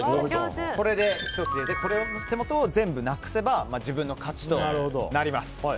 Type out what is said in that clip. １つ入れて手元を全部なくせば自分の勝ちとなります。